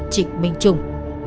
trịnh minh trung